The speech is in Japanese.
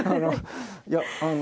いやあの